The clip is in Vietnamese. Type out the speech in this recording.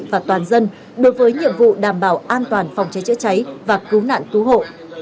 và toàn dân đối với nhiệm vụ đảm bảo an toàn phòng cháy chữa cháy và cứu nạn cứu hộ